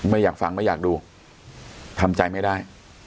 ไม่อยากฟังไม่อยากดูทำใจไม่ได้